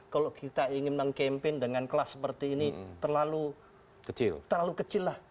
kalau kita ingin mengkampen dengan kelas seperti ini terlalu kecil lah